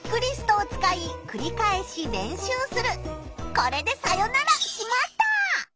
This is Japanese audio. これでさよなら「しまった！」。